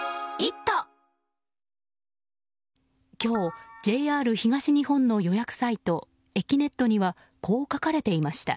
今日、ＪＲ東日本の予約サイトえきねっとにはこう書かれていました。